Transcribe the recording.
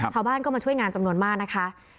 ชาวบ้านก็มาช่วยงานจำนวนมากนะคะ